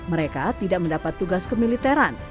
mereka tidak mendapat tugas kemiliteran